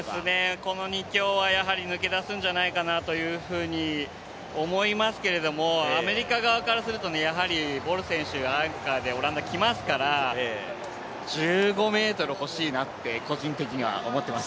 この２強は抜け出すんではないかと思いますけれども、アメリカ側からすると、ボル選手、アンカーでオランダきますから、１５ｍ欲しいなって、個人的には思ってます。